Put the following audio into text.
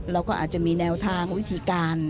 เราก็อาจจะมีแนวทางวิธีการ